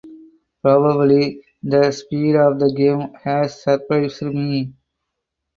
Probably the speed of the game has surprised me.